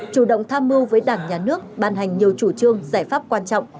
chủ động tham mưu với đảng nhà nước ban hành nhiều chủ trương giải pháp quan trọng